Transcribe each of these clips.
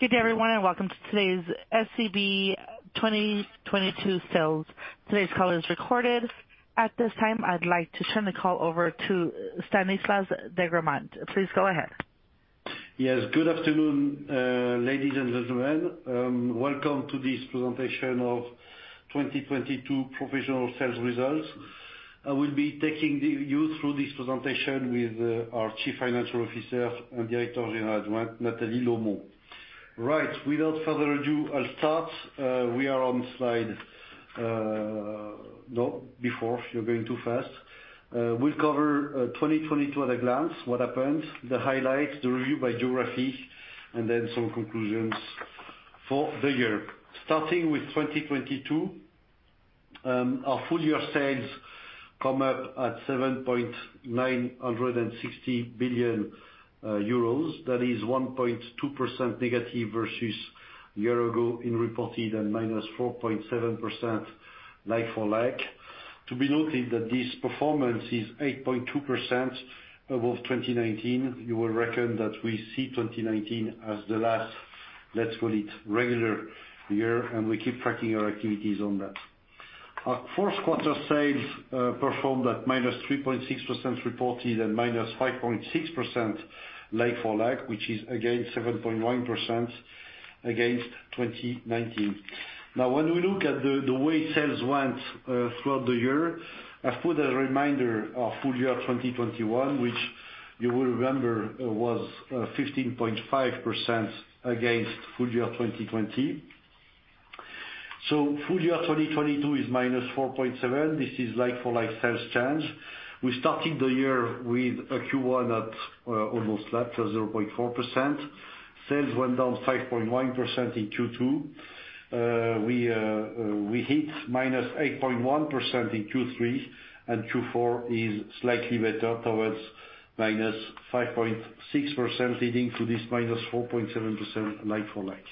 Good day everyone. Welcome to today's SEB 2022 sales. Today's call is recorded. At this time, I'd like to turn the call over to Stanislas de Gramont. Please go ahead. Yes, good afternoon, ladies and gentlemen. Welcome to this presentation of 2022 professional sales results. I will be taking you through this presentation with our Chief Financial Officer and Directeur Général Adjoint, Nathalie Lomon. Without further ado, I'll start. We are on slide. You're going too fast. We'll cover 2022 at a glance. What happened, the highlights, the review by geography, and then some conclusions for the year. Starting with 2022, our full year sales come up at 7.960 billion euros. That is 1.2% negative versus year ago in reported and -4.7% like-for-like. To be noted that this performance is 8.2% above 2019. You will reckon that we see 2019 as the last, let's call it, regular year, and we keep tracking our activities on that. Our fourth quarter sales performed at -3.6% reported and -5.6% like-for-like, which is again 7.9% against 2019. When we look at the way sales went throughout the year, I've put a reminder of full year 2021, which you will remember was 15.5% against full year 2020. Full year 2022 is -4.7%. This is like-for-like sales change. We started the year with a Q1 at almost flat, 0.4%. Sales went down 5.1% in Q2. We hit -8.1% in Q3, and Q4 is slightly better towards -5.6%, leading to this -4.7% like-for-like.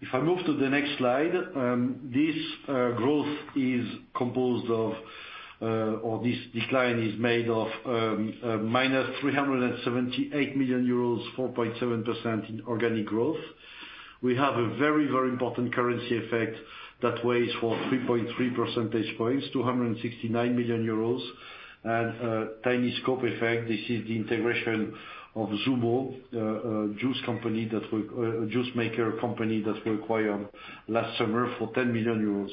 If I move to the next slide, this growth is composed of, or this line is made of, -378 million euros, 4.7% in organic growth. We have a very, very important currency effect that weighs for 3.3 percentage points, 269 million euros, and a tiny scope effect. This is the integration of Zummo, juice maker company that we acquired last summer for 10 million euros.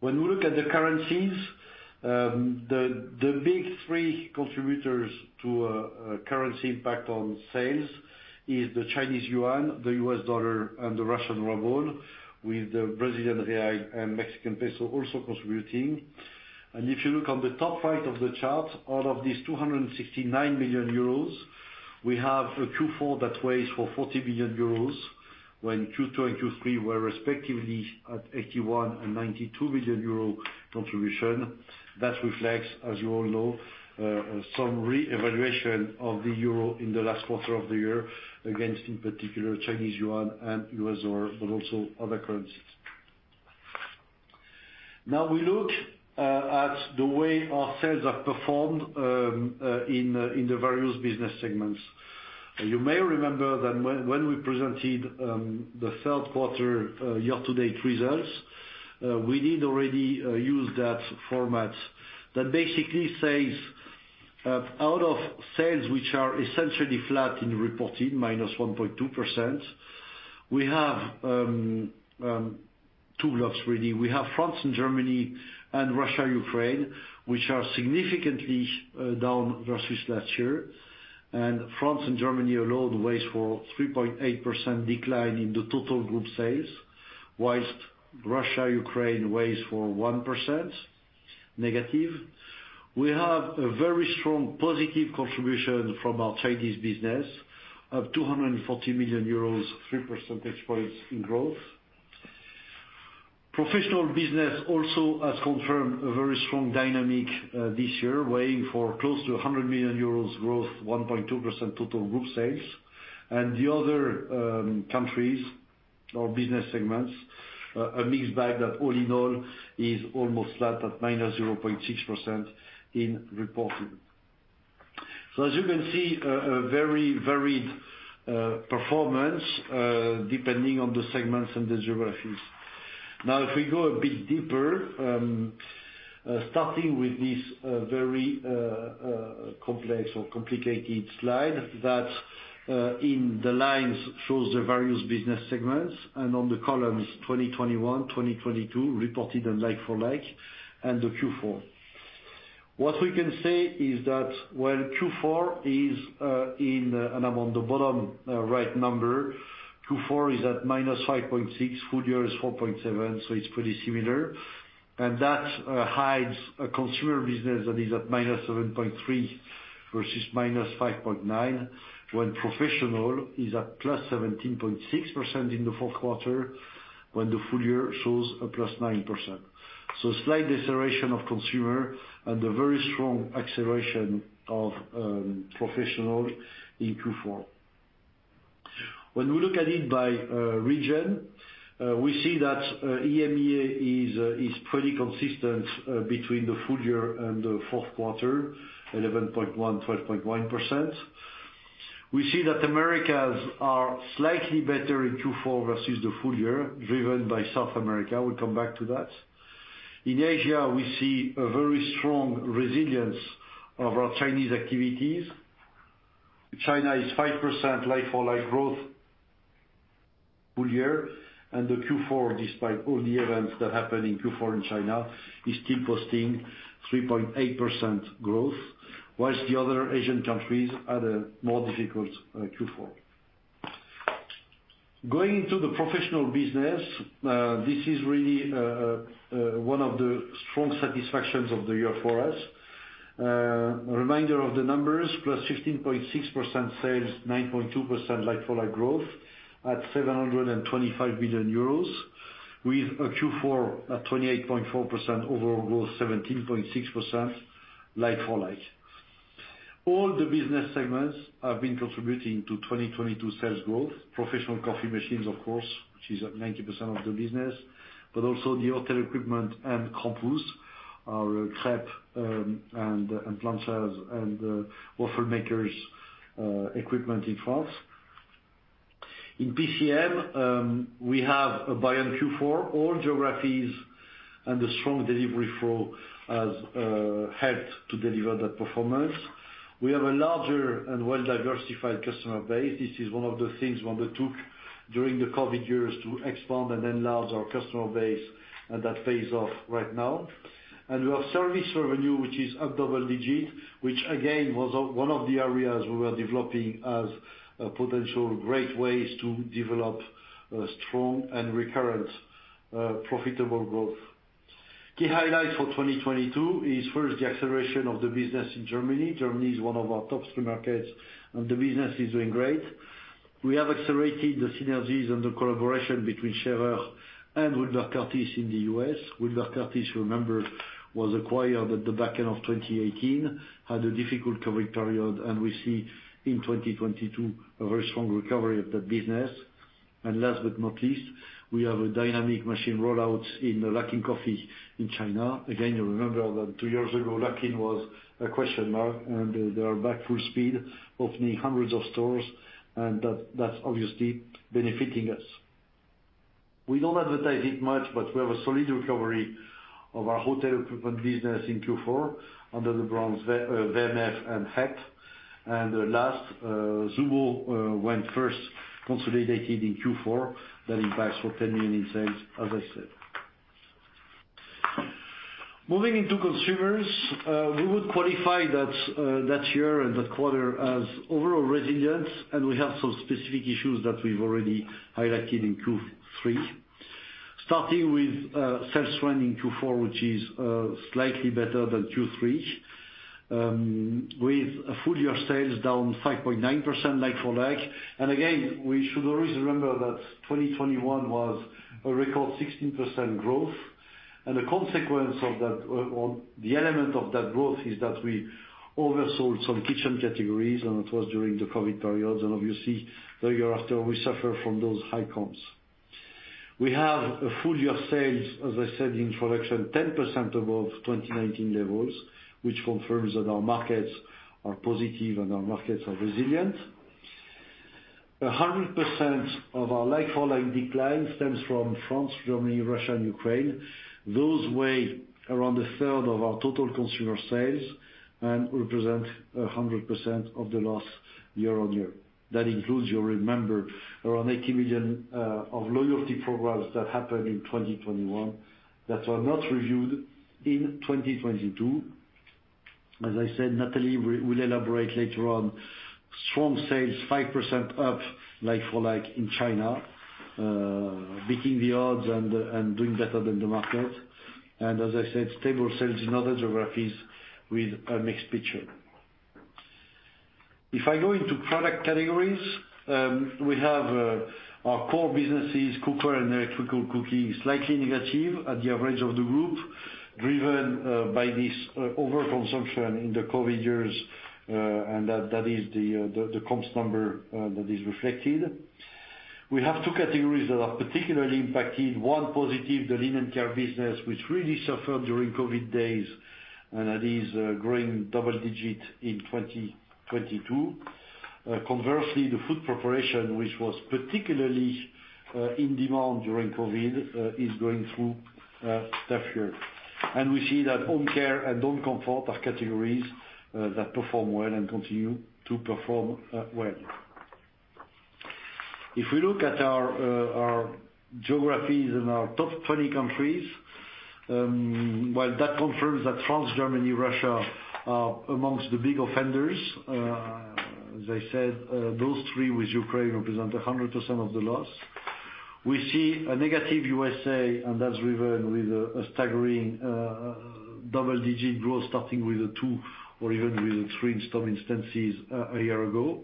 When we look at the currencies, the big three contributors to a currency impact on sales is the Chinese yuan, the U.S. dollar, and the Russian ruble, with the Brazilian real and Mexican peso also contributing. If you look on the top right of the chart, out of these 269 million euros, we have a Q4 that weighs for 40 billion euros, when Q2 and Q3 were respectively at 81 billion and 92 billion euro contribution. That reflects, as you all know, some reevaluation of the euro in the last quarter of the year against, in particular, Chinese yuan and U.S. dollar, but also other currencies. We look at the way our sales have performed in the various business segments. You may remember that when we presented the third quarter year-to-date results, we did already use that format that basically says out of sales, which are essentially flat in reporting, -1.2%, we have 2 blocks really. We have France and Germany and Russia/Ukraine, which are significantly down versus last year. France and Germany alone weighs for 3.8% decline in the total group sales, whilst Russia/Ukraine weighs for 1% negative. We have a very strong positive contribution from our Chinese business of 240 million euros, 3 percentage points in growth. Professional business also has confirmed a very strong dynamic this year, weighing for close to 100 million euros growth, 1.2% total group sales. The other countries or business segments, a mixed bag that all in all is almost flat at -0.6% in reporting. As you can see, a very varied performance, depending on the segments and the geographies. If we go a bit deeper, starting with this very complex or complicated slide that in the lines shows the various business segments and on the columns 2021, 2022 reported and like-for-like and the Q4. What we can say is that while Q4 is in, and I'm on the bottom right number, Q4 is at -5.6%, full year is 4.7%, so it's pretty similar. That hides a consumer business that is at -7.3 versus -5.9, when professional is at +17.6% in the fourth quarter, when the full year shows a +9%. Slight deceleration of consumer and a very strong acceleration of professional in Q4. When we look at it by region, we see that EMEA is pretty consistent between the full year and the fourth quarter, 11.1%, 12.1%. We see that Americas are slightly better in Q4 versus the full year, driven by South America. We'll come back to that. In Asia, we see a very strong resilience of our Chinese activities. China is 5% like-for-like growth full year. The Q4, despite all the events that happened in Q4 in China, is still posting 3.8% growth, whilst the other Asian countries had a more difficult Q4. Going into the professional business, this is really one of the strong satisfactions of the year for us. A reminder of the numbers, +15.6% sales, 9.2% like-for-like growth at 725 billion euros, with a Q4 at 28.4% overall growth, 17.6% like-for-like. All the business segments have been contributing to 2022 sales growth. Professional Coffee Machines, of course, which is at 90% of the business, also the hotel equipment and Krampouz, our crepe and planchas and waffle makers equipment in France. In PCM, we have a buy in Q4, all geographies and a strong delivery flow has helped to deliver that performance. We have a larger and well-diversified customer base. This is one of the things we undertook during the COVID years to expand and enlarge our customer base, that pays off right now. We have service revenue, which is up double digit, which again, was one of the areas we were developing as a potential great ways to develop strong and recurrent profitable growth. Key highlights for 2022 is first, the acceleration of the business in Germany. Germany is one of our top three markets, and the business is doing great. We have accelerated the synergies and the collaboration between Schaerer and Wilbur Curtis in the U.S. Wilbur Curtis, remember, was acquired at the back end of 2018, had a difficult COVID period, and we see in 2022 a very strong recovery of that business. Last but not least, we have a dynamic machine rollout in the Luckin Coffee in China. Again, you remember that 2 years ago, Luckin was a question mark, and they are back full speed, opening hundreds of stores, and that's obviously benefiting us. We don't advertise it much, but we have a solid recovery of our hotel equipment business in Q4 under the brands Vernet and Hettich. Last, Zummo went first consolidated in Q4. That impacts for 10 million in sales, as I said. Moving into consumers, we would qualify that year and that quarter as overall resilience, and we have some specific issues that we've already highlighted in Q3. Starting with sales trend in Q4, which is slightly better than Q3, with full year sales down 5.9% like-for-like. Again, we should always remember that 2021 was a record 16% growth. The consequence of that, or the element of that growth is that we oversold some kitchen categories, and it was during the COVID periods. Obviously, the year after, we suffer from those high comps. We have a full year sales, as I said in introduction, 10% above 2019 levels, which confirms that our markets are positive and our markets are resilient. 100% of our like-for-like decline stems from France, Germany, Russia and Ukraine. Those weigh around a third of our total consumer sales and represent 100% of the loss year-on-year. That includes, you'll remember, around 80 million of loyalty programs that happened in 2021 that were not reviewed in 2022. As I said, Nathalie will elaborate later on. Strong sales, 5% up like-for-like in China, beating the odds and doing better than the market. As I said, stable sales in other geographies with a mixed picture. If I go into product categories, we have our core businesses, cooker and electrical cooking, slightly negative at the average of the group, driven by this overconsumption in the COVID years, and that is the comps number that is reflected. We have two categories that are particularly impacted. One, positive, the linen care business, which really suffered during COVID days, that is growing double digit in 2022. Conversely, the food preparation, which was particularly in demand during COVID, is going through a tough year. We see that Home Care and Home Comfort are categories that perform well and continue to perform well. If we look at our geographies and our top 20 countries, while that confirms that France, Germany, Russia are amongst the big offenders, as I said, those three with Ukraine represent 100% of the loss. We see a negative U.S.A., and that's driven with a staggering double-digit growth, starting with a 2 or even with 3 in some instances a year ago.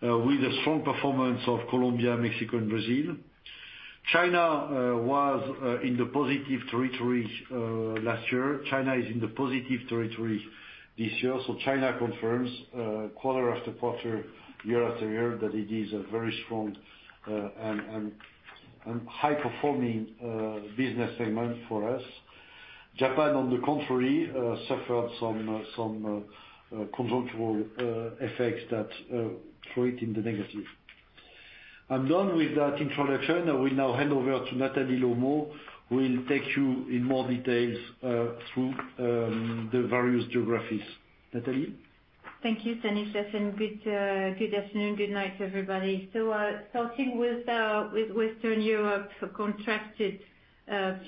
With a strong performance of Colombia, Mexico and Brazil. China was in the positive territory last year. China is in the positive territory this year. China confirms, quarter after quarter, year after year, that it is a very strong and high-performing business segment for us. Japan, on the contrary, suffered some contractual effects that threw it in the negative. I'm done with that introduction. I will now hand over to Nathalie Lomon, who will take you in more details through the various geographies. Nathalie? Thank you, Stanislas. Good afternoon, good night, everybody. Starting with Western Europe, a contracted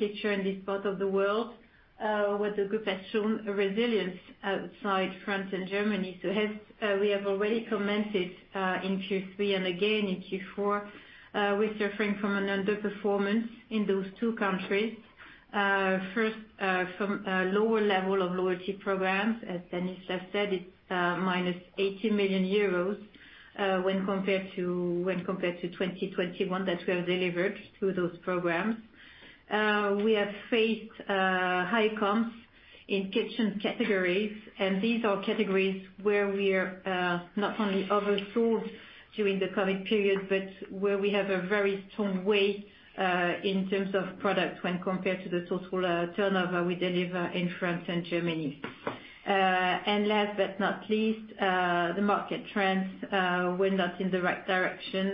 picture in this part of the world, where the group has shown resilience outside France and Germany. As we have already commented in Q3 and again in Q4, we're suffering from an underperformance in those two countries. First, from a lower level of loyalty programs. As Stanislas said, it's -80 million euros when compared to 2021 that we have delivered through those programs. We have faced high comps in kitchen categories, these are categories where we are not only over-sold during the COVID period, but where we have a very strong weight in terms of product when compared to the total turnover we deliver in France and Germany. Last but not least, the market trends were not in the right direction,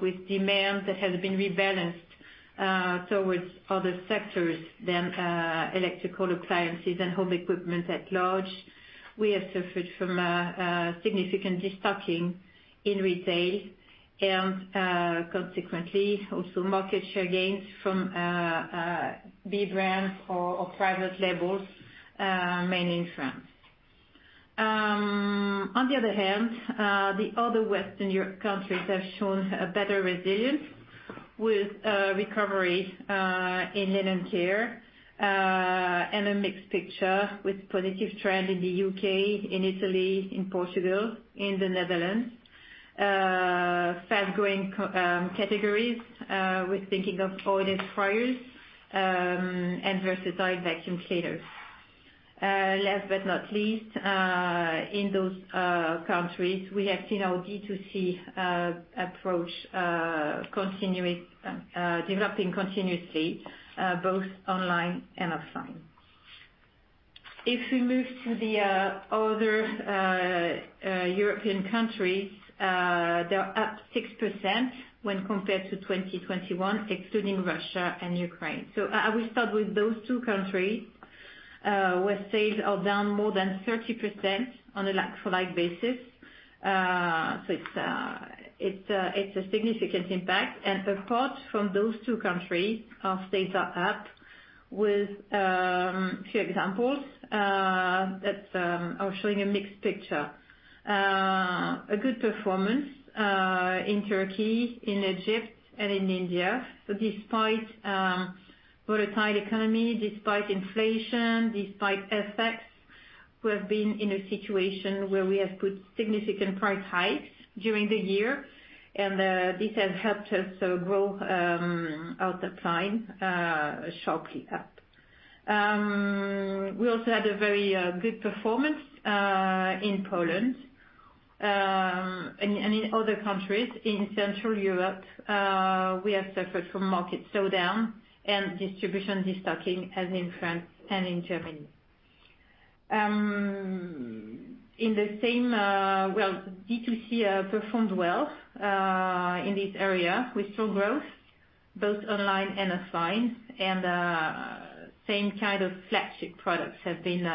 with demand that has been rebalanced towards other sectors than electrical appliances and home equipment at large. We have suffered from a significant de-stocking in retail and consequently also market share gains from B-brands or private labels, mainly in France. On the other hand, the other Western Europe countries have shown a better resilience with recovery in linen care, and a mixed picture with positive trend in the U.K., in Italy, in Portugal, in the Netherlands. Fast-growing categories, we're thinking of oilless fryers and versatile vacuum cleaners. Last but not least, in those countries, we have seen our D2C approach continuing developing continuously, both online and offline. If we move to the other European countries, they're up 6% when compared to 2021, excluding Russia and Ukraine. We start with those two countries, where sales are down more than 30% on a like-for-like basis. It's a significant impact. Apart from those two countries, our states are up with a few examples that are showing a mixed picture. A good performance, in Turkey, in Egypt, and in India. Despite volatile economy, despite inflation, despite FX, we have been in a situation where we have put significant price hikes during the year. This has helped us to grow out the climb sharply up. We also had a very good performance in Poland and in other countries. In Central Europe, we have suffered from market slowdown and distribution de-stocking as in France and in Germany. In the same, well, D2C performed well in this area. We saw growth both online and offline. Same kind of flagship products have been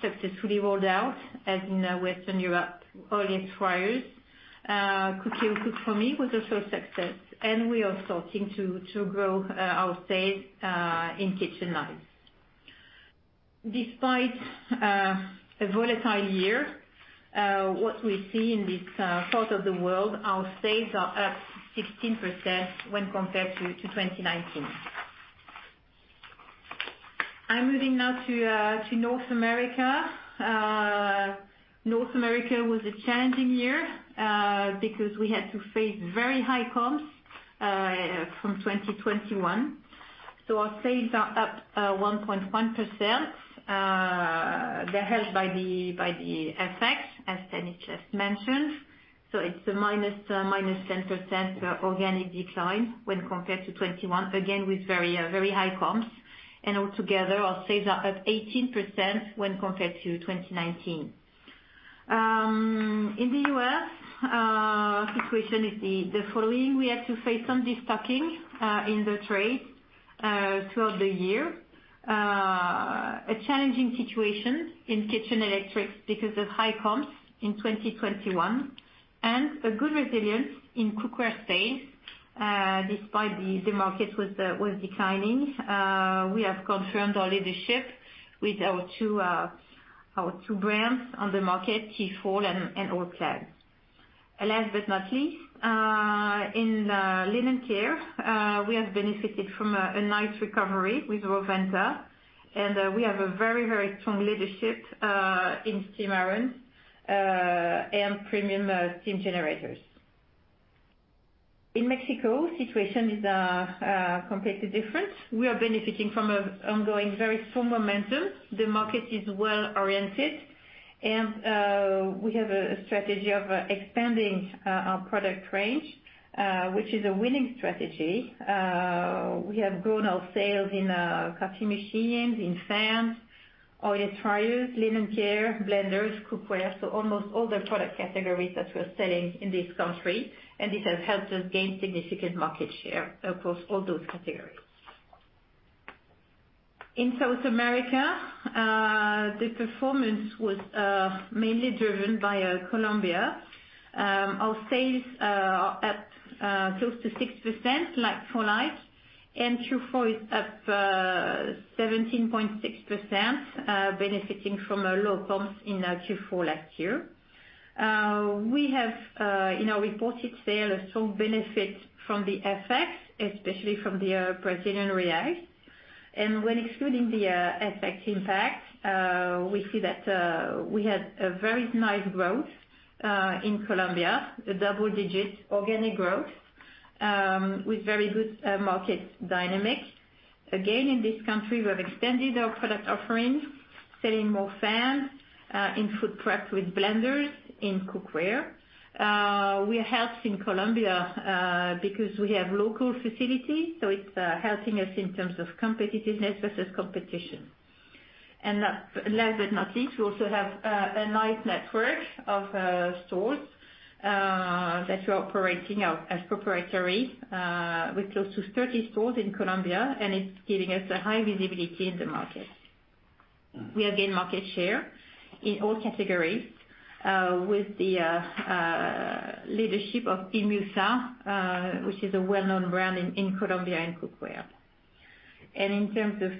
successfully rolled out as in Western Europe, oilless fryers. Cookeo Cook4Me was also a success. We are starting to grow our sales in kitchen knives. Despite a volatile year, what we see in this part of the world, our sales are up 16% when compared to 2019. I'm moving now to North America. North America was a challenging year because we had to face very high comps from 2021. Our sales are up 1.1%. They're helped by the FX, as Stanislas mentioned. It's a -10% organic decline when compared to 2021, again, with very high comps. Altogether, our sales are up 18% when compared to 2019. In the U.S., the situation is the following. We had to face some de-stocking in the trade throughout the year. A challenging situation in Kitchen Electrics because of high comps in 2021, and a good resilience in Cooker sales, despite the market was declining. We have confirmed our leadership with our two brands on the market, T-fal and Aubagne. Last but not least, in Linen care, we have benefited from a nice recovery with Rowenta, and we have a very strong leadership in steam irons and premium steam generators. In Mexico, situation is completely different. We are benefiting from a ongoing, very strong momentum. The market is well-oriented, and we have a strategy of expanding our product range, which is a winning strategy. We have grown our sales in coffee machines, in fans, oil fryers, linen care, blenders, cookware, so almost all the product categories that we're selling in this country. This has helped us gain significant market share across all those categories. In South America, the performance was mainly driven by Colombia. Our sales are up close to 6% like for like. Q4 is up 17.6%, benefiting from a low comps in Q4 last year. We have in our reported sale a strong benefit from the FX, especially from the Brazilian reais. When excluding the FX impact, we see that we had a very nice growth in Colombia, a double-digit organic growth, with very good market dynamics. Again, in this country, we have extended our product offerings, selling more fans, in food prep with blenders, in cookware. We are helped in Colombia because we have local facilities, so it's helping us in terms of competitiveness versus competition. Last but not least, we also have a nice network of stores that we're operating out as proprietary, with close to 30 stores in Colombia, and it's giving us a high visibility in the market. We have gained market share in all categories with the leadership of IMUSA, which is a well-known brand in Colombia in cookware. In terms of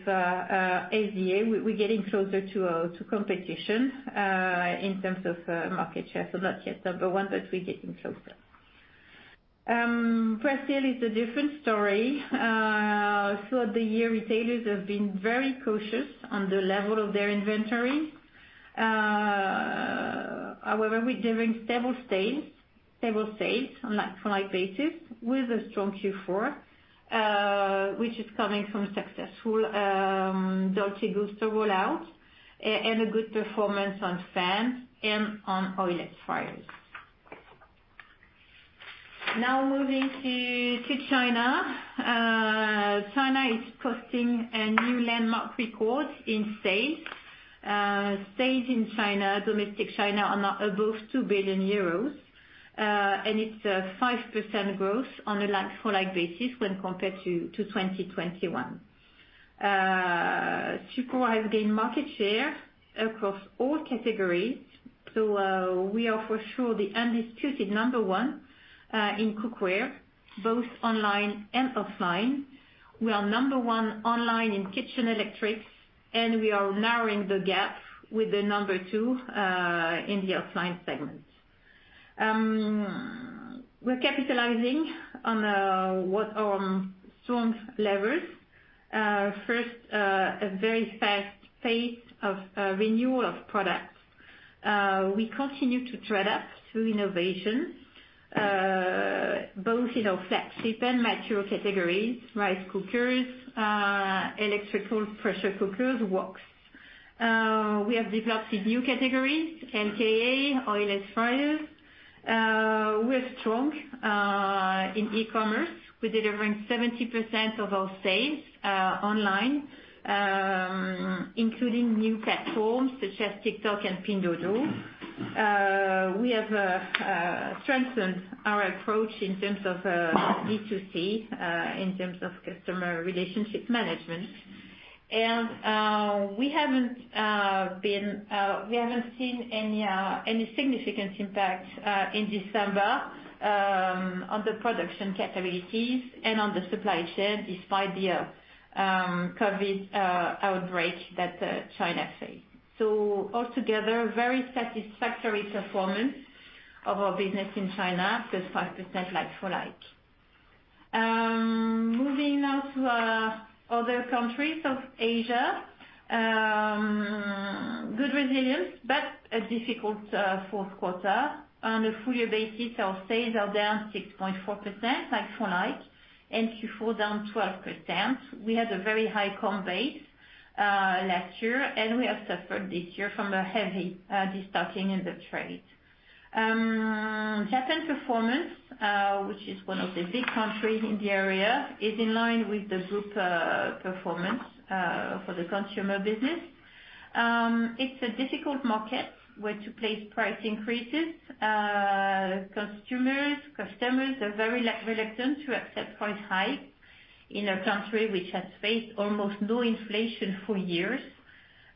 ADA, we're getting closer to competition in terms of market share. Not yet number one, but we're getting closer. Brazil is a different story. Throughout the year, retailers have been very cautious on the level of their inventory. However, we're delivering stable sales on like-for-like basis with a strong Q4, which is coming from successful Dolce Gusto rollout and a good performance on fans and on oilless fryers. Now moving to China. China is posting a new landmark record in sales. Sales in China, domestic China are now above 2 billion euros, and it's a 5% growth on a like-for-like basis when compared to 2021. Supor has gained market share across all categories. We are for sure the undisputed number 1 in cookware, both online and offline. We are number 1 online in Kitchen Electrics, and we are narrowing the gap with the number 2 in the offline segment. We're capitalizing on strong levers. First, a very fast pace of renewal of products. We continue to thread up through innovation, both in our flagship and mature categories, rice cookers, electrical pressure cookers, woks. We have developed new categories, NKA, oilless fryers. We're strong in e-commerce. We're delivering 70% of our sales online, including new platforms such as TikTok and Pinduoduo. We have strengthened our approach in terms of B2C, in terms of customer relationship management. We haven't seen any significant impact in December on the production capabilities and on the supply chain, despite the COVID outbreak that China faced. Altogether, very satisfactory performance of our business in China, +5% like-for-like. Moving now to other countries of Asia. Good resilience but a difficult fourth quarter. On a full year basis, our sales are down 6.4% like-for-like, and Q4 down 12%. We had a very high comp base last year, and we have suffered this year from a heavy destocking in the trade. Japan performance, which is one of the big countries in the area, is in line with the group performance for the consumer business. It's a difficult market where to place price increases. Consumers, customers are very reluctant to accept price hikes in a country which has faced almost no inflation for years.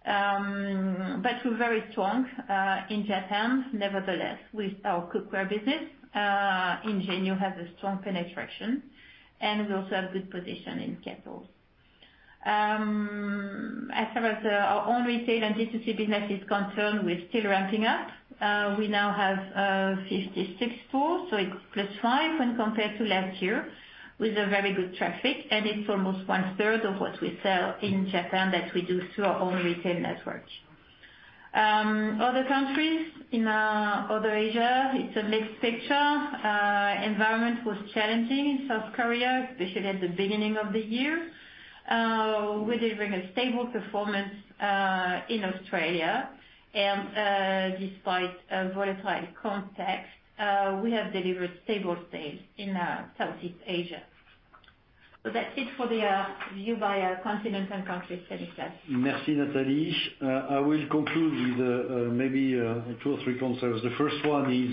We're very strong in Japan. With our Cookware business, Ingenio has a strong penetration, and we also have good position in Kettles. As far as our own retail and D2C business is concerned, we're still ramping up. We now have 56 stores, so it's +5 when compared to last year, with a very good traffic, and it's almost 1/3 of what we sell in Japan that we do through our own retail network. Other countries in other Asia, it's a mixed picture. Environment was challenging in South Korea, especially at the beginning of the year. We're delivering a stable performance in Australia, and despite a volatile context, we have delivered stable sales in Southeast Asia. That's it for the view by continent and country status. Miss Nathalie. I will conclude with maybe two or three concerns. The first one is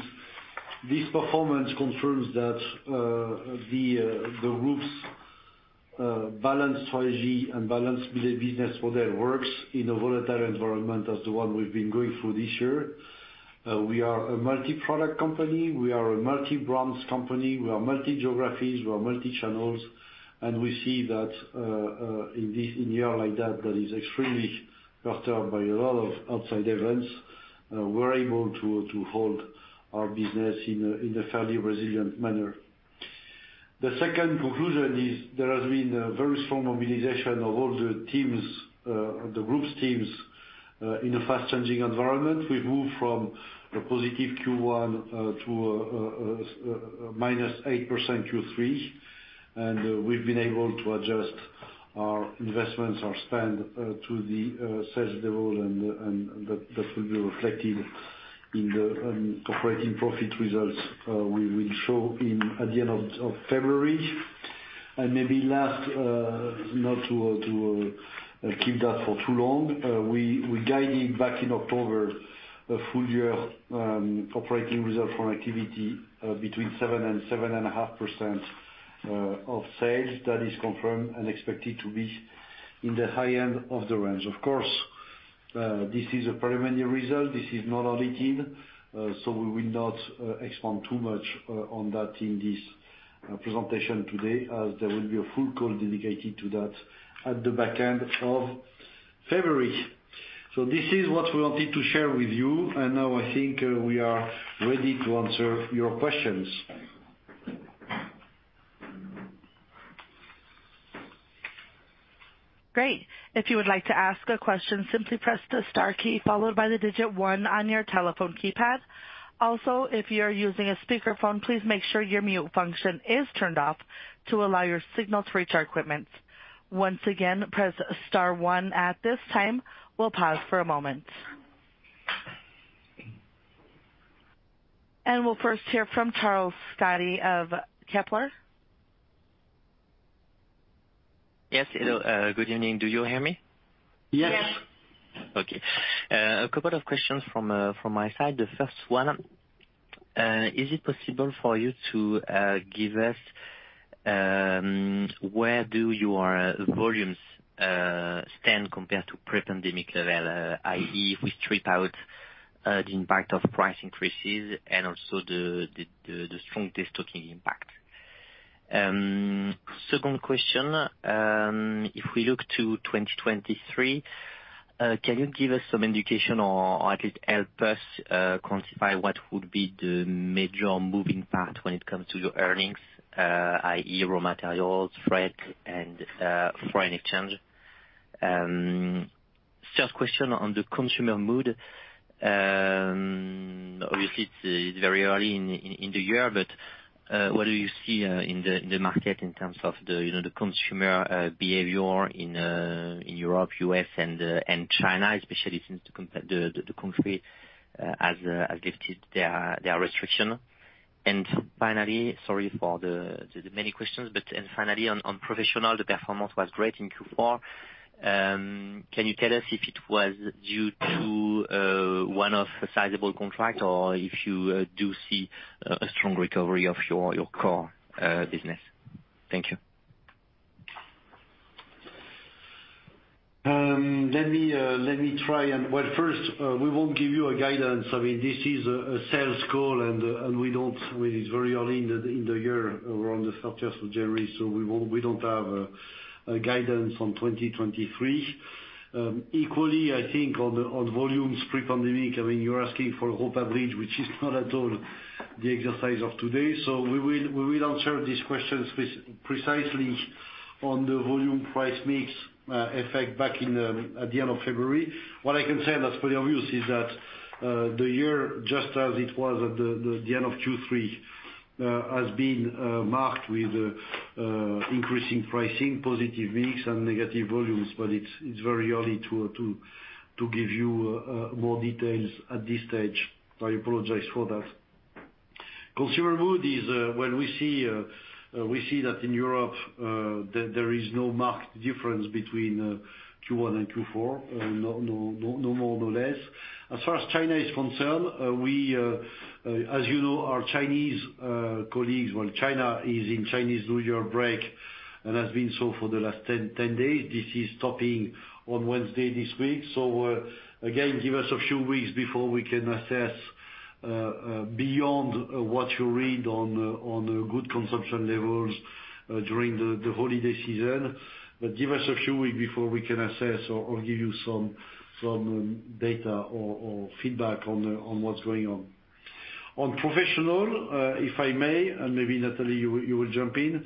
this performance confirms that the group's balanced strategy and balanced business model works in a volatile environment as the one we've been going through this year. We are a multi-product company, we are a multi-brands company, we are multi-geographies, we are multi-channels, and we see that in this, in a year like that is extremely altered by a lot of outside events, we're able to hold our business in a fairly resilient manner. The second conclusion is there has been a very strong mobilization of all the teams, the group's teams, in a fast-changing environment. We've moved from a positive Q1 to a -8% Q3, and we've been able to adjust our investments, our spend to the sales level and that will be reflected in the operating profit results we will show at the end of February. Maybe last, not to keep that for too long, we guided back in October a full year Operating Result from Activity between 7% and 7.5% of sales. That is confirmed and expected to be in the high end of the range. Of course, this is a preliminary result. This is not audited, so we will not expand too much on that in this presentation today, as there will be a full call dedicated to that at the back end of February. This is what we wanted to share with you, and now I think we are ready to answer your questions. Great. If you would like to ask a question, simply press the star key followed by 1 on your telephone keypad. If you're using a speaker phone, please make sure your mute function is turned off to allow your signal to reach our equipment. Once again, press star 1. At this time, we'll pause for a moment. We'll first hear from Charles Scotti of Kepler. Yes. Hello. Good evening. Do you hear me? Yes. Yes. Okay. A couple of questions from my side. The first one, is it possible for you to give us where do your volumes stand compared to pre-pandemic level, i.e. if we strip out the impact of price increases and also the strong destocking impact? Second question, if we look to 2023, can you give us some indication or at least help us quantify what would be the major moving part when it comes to your earnings, i.e. raw materials, freight and foreign exchange? Third question on the consumer mood. Obviously it's very early in the year, what do you see in the market in terms of the, you know, the consumer behavior in Europe, U.S. and China, especially since the country has lifted their restriction? Sorry for the many questions, and finally on Professional, the performance was great in Q4. Can you tell us if it was due to one-off sizable contract or if you do see a strong recovery of your core business? Thank you. Well, first, we won't give you a guidance. I mean, this is a sales call and we don't. It's very early in the year. We're on the 13th of January, we don't have a guidance on 2023. Equally, I think on volumes pre-pandemic, I mean, you're asking for a whole average, which is not at all the exercise of today. We will answer these questions precisely on the volume price mix effect back in at the end of February. What I can say that's pretty obvious is that the year, just as it was at the end of Q3, has been marked with increasing pricing, positive mix and negative volumes. It's very early to give you more details at this stage. I apologize for that. Consumer mood is, well we see that in Europe, there is no marked difference between Q1 and Q4. No more, no less. As far as China is concerned, we, as you know, our Chinese colleagues. Well, China is in Chinese New Year break and has been so for the last 10 days. This is stopping on Wednesday this week. Again, give us a few weeks before we can assess beyond what you read on the good consumption levels during the holiday season. give us a few week before we can assess or give you some data or feedback on what's going on. On professional, if I may, and maybe Nathalie you will jump in.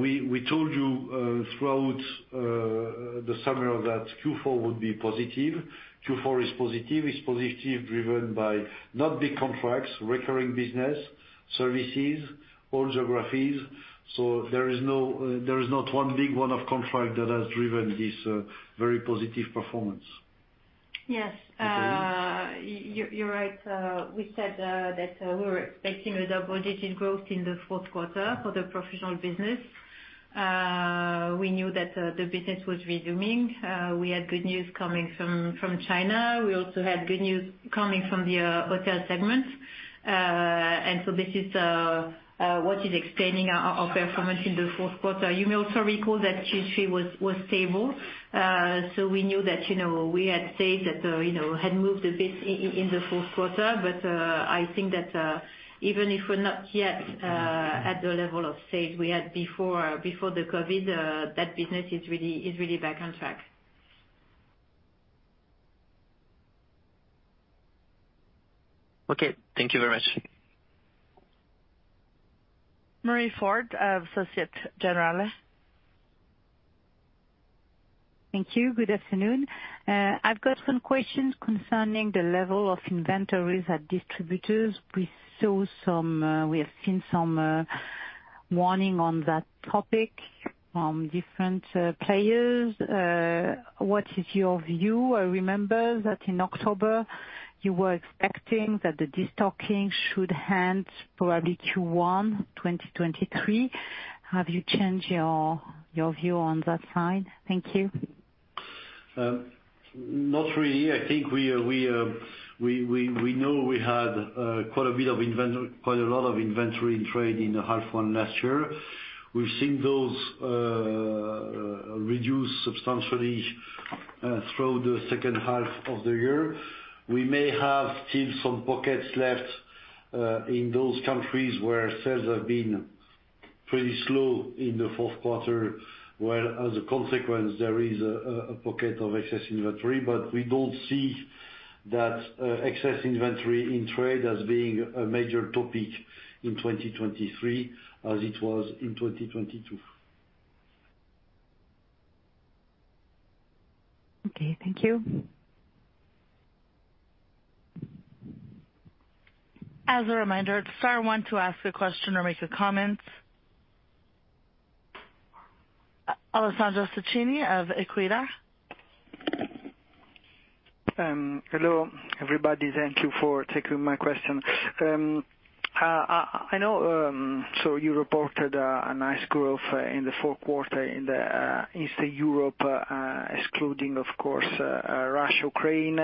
We told you throughout the summer that Q4 would be positive. Q4 is positive. It's positive driven by not big contracts, recurring business, services, all geographies. There is not one big one-off contract that has driven this very positive performance. Yes. You're right. We said that we were expecting a double-digit growth in the fourth quarter for the professional business. We knew that the business was resuming. We had good news coming from China. We also had good news coming from the hotel segment. This is what is explaining our performance in the fourth quarter. You may also recall that Q3 was stable. We knew that, you know, we had stayed at the, you know, had moved a bit in the fourth quarter. I think that even if we're not yet at the level of sales we had before COVID, that business is really back on track. Okay. Thank you very much. Marie-Line Fort of Societe Generale. Thank you. Good afternoon. I've got some questions concerning the level of inventories at distributors. We have seen some warning on that topic from different players. What is your view? I remember that in October you were expecting that the destocking should end probably Q1 2023. Have you changed your view on that side? Thank you. Not really. I think we know we had quite a lot of inventory in trade in the half one last year. We've seen those reduce substantially through the second half of the year. We may have still some pockets left in those countries where sales have been pretty slow in the fourth quarter, where as a consequence, there is a pocket of excess inventory. We don't see that excess inventory in trade as being a major topic in 2023 as it was in 2022. Okay, thank you. As a reminder, star one to ask a question or make a comment. Alessandro Cini of Equita. Hello, everybody. Thank you for taking my question. I know, you reported a nice growth in the fourth quarter in Eastern Europe, excluding of course, Russia, Ukraine.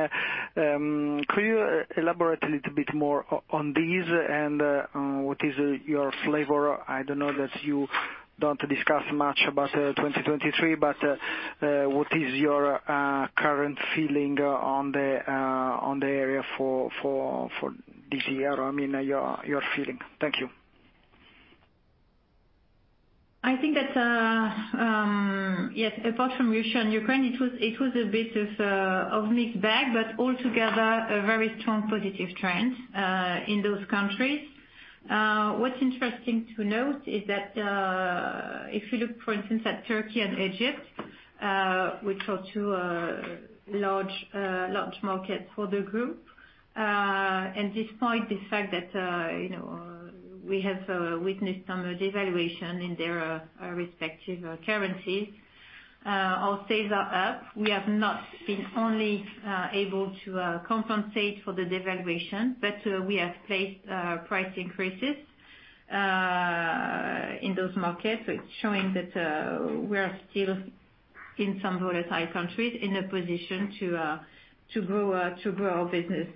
Could you elaborate a little bit more on these and on what is your flavor? I don't know that you don't discuss much about 2023, what is your current feeling on the area for this year? I mean, your feeling. Thank you. I think that, yes, apart from Russia and Ukraine, it was a bit of mixed bag, but altogether a very strong positive trend in those countries. What's interesting to note is that if you look for instance at Turkey and Egypt, which are two large markets for the group. Despite the fact that, you know, we have witnessed some devaluation in their respective currencies, our sales are up. We have not been only able to compensate for the devaluation, but we have placed price increases in those markets. It's showing that we are still in some volatile countries in a position to grow our business.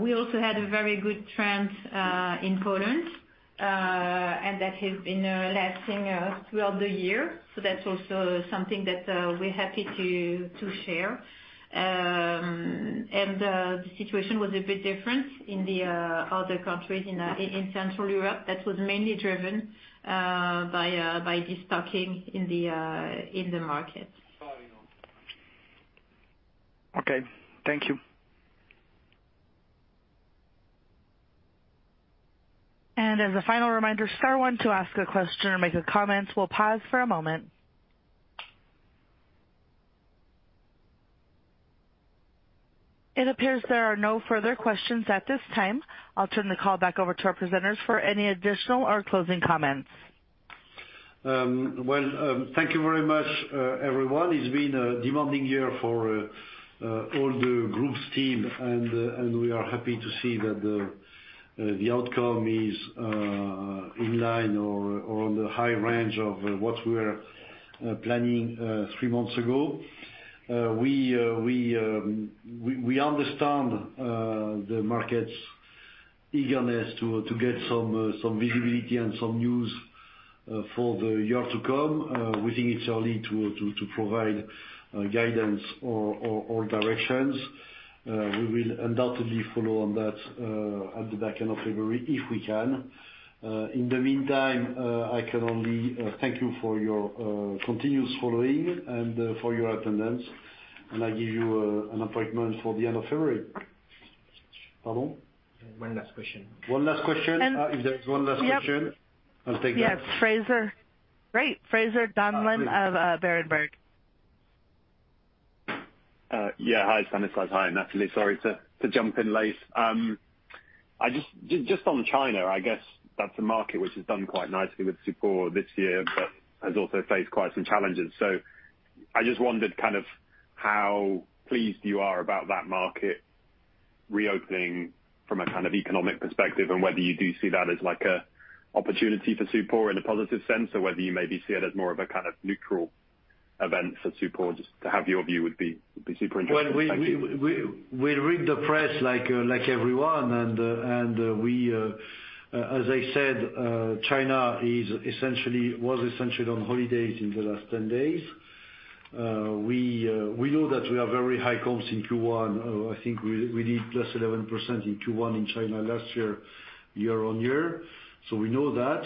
We also had a very good trend in Poland, and that has been lasting throughout the year. That's also something that we're happy to share. The situation was a bit different in the other countries in Central Europe. That was mainly driven by destocking in the market. Okay. Thank you. As a final reminder, star one to ask a question or make a comment. We'll pause for a moment. It appears there are no further questions at this time. I'll turn the call back over to our presenters for any additional or closing comments. Well, thank you very much, everyone. It's been a demanding year for all the groups team, and we are happy to see that the outcome is in line or on the high range of what we were planning three months ago. We understand the market's eagerness to get some visibility and some news for the year to come. We think it's early to provide guidance or directions. We will undoubtedly follow on that at the back end of February, if we can. In the meantime, I can only thank you for your continuous following and for your attendance, and I give you an appointment for the end of February. Pardon? One last question. One last question? And- If there's 1 last question. Yep. I'll take that. Yes, Fraser. Great. Fraser Donlon of Berenberg. Yeah, hi, Stanislas. Hi, Nathalie. Sorry to jump in late. I just on China, I guess that's a market which has done quite nicely with Supor this year but has also faced quite some challenges. I just wondered kind of how pleased you are about that market reopening from a kind of economic perspective, and whether you do see that as, like, a opportunity for Supor in a positive sense, or whether you maybe see it as more of a kind of neutral event for Supor. Just to have your view would be, would be super interesting. Thank you. Well, we read the press like everyone and we, as I said, China was essentially on holidays in the last 10 days. We know that we have very high costs in Q1. I think we did +11% in Q1 in China last year-over-year, so we know that.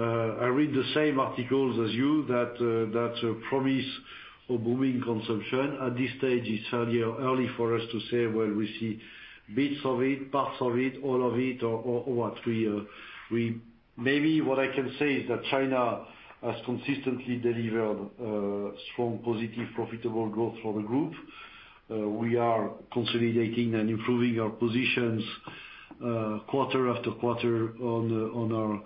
I read the same articles as you that promise a booming consumption. At this stage, it's early for us to say whether we see bits of it, parts of it, all of it. Maybe what I can say is that China has consistently delivered strong, positive, profitable growth for the Group. We are consolidating and improving our positions, quarter after quarter on our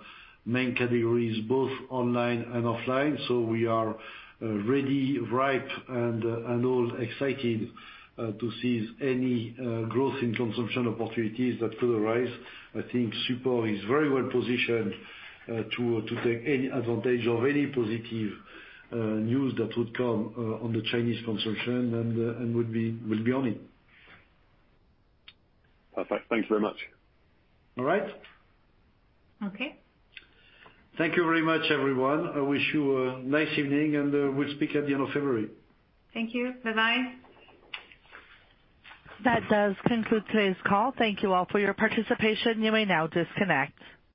main categories, both online and offline. We are ready, ripe and all excited to seize any growth in consumption opportunities that could arise. I think Supor is very well positioned to take any advantage of any positive news that would come on the Chinese consumption and we'll be on it. Perfect. Thanks very much. All right. Okay. Thank you very much, everyone. I wish you a nice evening, and we'll speak at the end of February. Thank you. Bye-bye. That does conclude today's call. Thank you all for your participation. You may now disconnect.